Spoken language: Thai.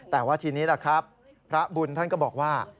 แต่ว่าทีนี้ล่ะครับพระบุญท่านก็บอกว่า